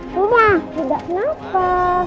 reina tidak nafas